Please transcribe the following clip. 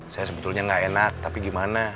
saya sebetulnya nggak enak tapi gimana